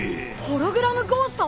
ホログラムゴースト？